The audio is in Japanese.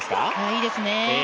いいですね。